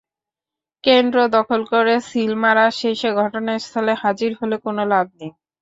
কেন্দ্র দখল করে সিল মারা শেষে ঘটনাস্থলে হাজির হলে কোনো লাভ নেই।